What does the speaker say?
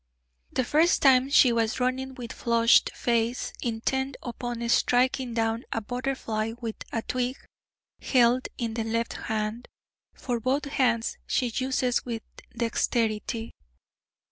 The first time she was running with flushed face, intent upon striking down a butterfly with a twig held in the left hand (for both hands she uses with dexterity).